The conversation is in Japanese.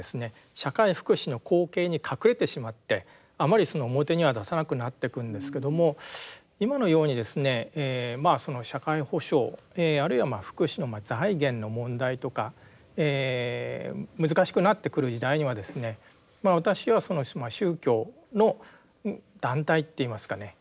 社会福祉の後景に隠れてしまってあまり表には出さなくなってくんですけども今のようにですねまあ社会保障あるいは福祉の財源の問題とか難しくなってくる時代にはですね私は宗教の団体って言いますかね